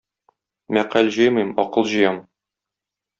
Мәкаль җыймыйм, акыл җыям.